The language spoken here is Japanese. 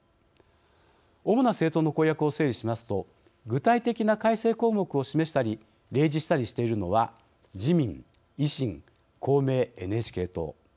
主な政党の公約を整理しますと具体的な改正項目を示したり例示したりしているのは自民・維新・国民・ＮＨＫ党。